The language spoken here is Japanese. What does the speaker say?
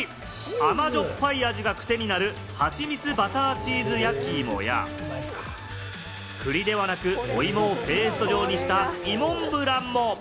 甘じょっぱい味がクセになるはちみつバターチーズ焼き芋や、栗ではなく、お芋をペースト状にした、芋んぶらんも。